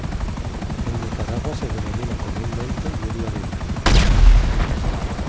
En Nicaragua se denomina comúnmente "lluvia de oro".